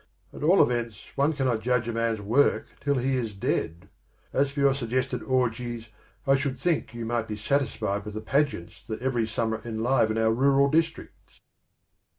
At all events one cannot judge a man's work till he is dead. As for your suggested orgies, I should think you might be satisfied with the Pageants that every summer enliven our rural districts."